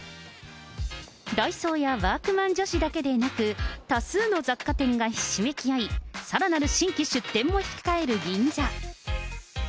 ダイソーやワークマン女子だけでなく、多数の雑貨店がひしめき合い、さらなる新規出店も控える銀座。